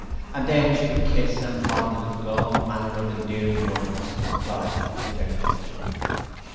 And then she would kiss and fondle it with all manner of endearing words, and cry bitterly.